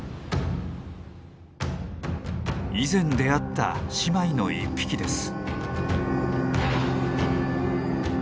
以前出会った姉妹の１匹です。